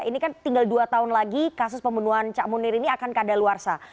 ini kan tinggal dua tahun lagi kasus pembunuhan cak munir ini akan keadaan luar sah